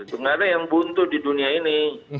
tidak ada yang buntu di dunia ini